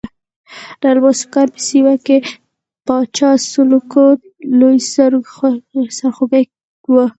د الماسو کان په سیمه کې پاچا سلوکو لوی سرخوږی وو.